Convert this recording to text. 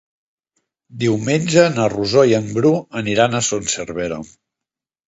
Diumenge na Rosó i en Bru aniran a Son Servera.